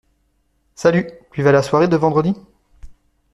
Salut, tu vas à la soirée de vendredi?